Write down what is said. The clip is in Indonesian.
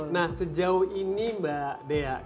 nah sejauh ini mbak dea